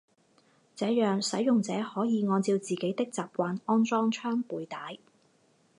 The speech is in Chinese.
这样使用者可以按照自己的习惯安装枪背带。